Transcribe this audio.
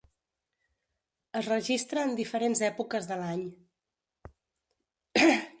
Es registra en diferents èpoques de l'any.